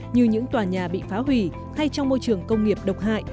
như những tòa nhà bị phá hủy thay trong môi trường công nghiệp độc hại